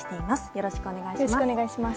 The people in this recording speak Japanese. よろしくお願いします。